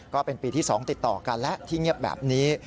ก็เป็นปีที่๒ติดต่อกันแล้วที่เงียบแบบนี้